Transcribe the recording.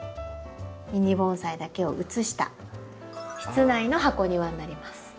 ミニ盆栽だけを移した室内の箱庭になります。